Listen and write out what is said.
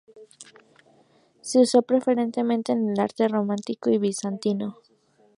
Se usó preferentemente en el arte románico y bizantino.